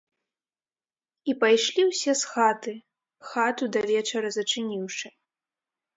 І пайшлі ўсе з хаты, хату да вечара зачыніўшы.